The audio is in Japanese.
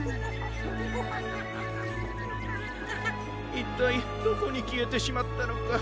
いったいどこにきえてしまったのか。